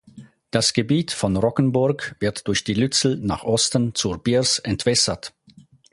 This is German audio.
Das Gebiet von Roggenburg wird durch die Lützel nach Osten zur Birs entwässert.